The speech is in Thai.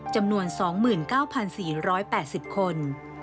จำนวน๒๙๔๘๐คน